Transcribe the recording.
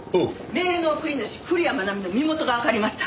メールの送り主古谷愛美の身元がわかりました。